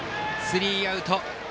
スリーアウト。